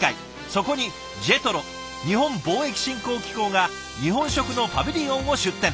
そこにＪＥＴＲＯ＝日本貿易振興機構が日本食のパビリオンを出展。